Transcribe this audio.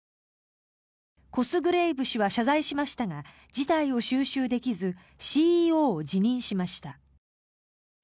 コスグレイブ氏は謝罪しましたが事態を収拾できずＣＥＯを辞任しました。